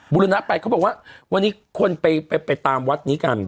บุรณะไปเขาบอกว่าวันนี้คนไปตามวัดนี้กัน